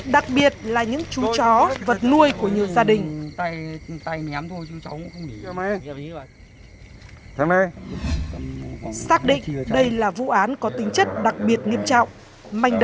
đặc biệt là những chú chó vật nuôi của nhiều gia đình